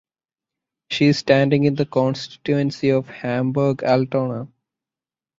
She is standing in the constituency of Hamburg Altona.